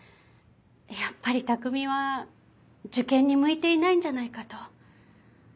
やっぱり匠は受験に向いていないんじゃないかと。